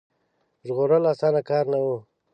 ژغورل اسانه کار نه وو.